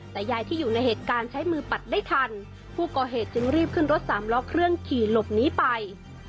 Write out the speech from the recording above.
แต่ยายที่อยู่ในเหตุการณ์ใช้มือปัดได้ทันผู้ก่อเหตุจึงรีบขึ้นรถสามล้อเครื่องขี่หลบหนีไป